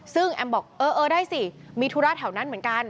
ซึ่งแอมบอกเออได้สิมีธุระแถวนั้นเหมือนกัน